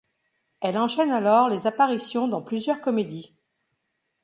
Elle enchaîne alors les apparitions dans plusieurs comédies.